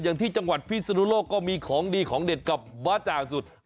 อย่างที่จังหวัดพิศนุโลกก็มีของดีของเด็ดกับบ้าจ่างสุด